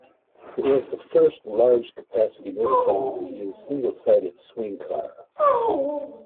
It was the first large capacity motorcycle to use a single-sided swingar.